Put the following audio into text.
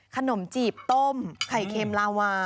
ขนมจีบต้มไข่เค็มลาวา